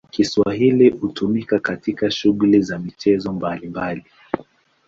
Kiswahili hutumika katika shughuli za michezo mbalimbali.